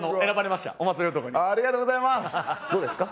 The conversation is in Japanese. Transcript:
どうですか？